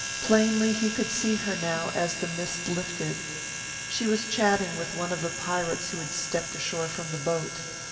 Plainly he could see her now as the mist lifted. She was chatting with one of the pirates who had stepped ashore from the boat.